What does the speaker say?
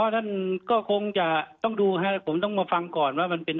ท่านก็คงจะต้องดูฮะผมต้องมาฟังก่อนว่ามันเป็น